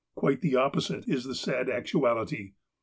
Quite the opposite is the sad actuality.